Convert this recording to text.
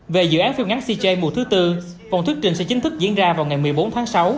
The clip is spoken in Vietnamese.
về dự án phim ngắn cj mùa thứ tư vòng thuyết trình sẽ chính thức diễn ra vào ngày một mươi bốn tháng sáu